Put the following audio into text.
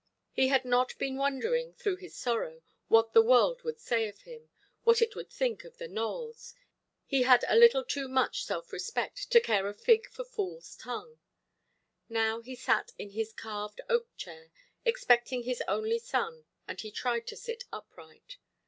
He had not been wondering, through his sorrow, what the world would say of him, what it would think of the Nowells; he had a little too much self–respect to care a fig for foolʼs–tongue. Now he sat in his carved oak–chair, expecting his only son, and he tried to sit upright.